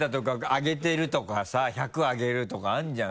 上げてるとかさ１００上げるとかあるじゃん